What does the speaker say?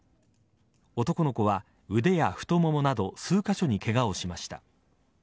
男の子は腕や太ももなど数カ所にケガをしました。